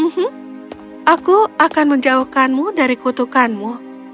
hmm aku akan menjauhkanmu dari kutukanmu